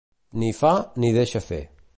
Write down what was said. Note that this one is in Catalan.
Ni fa, ni deixa fer.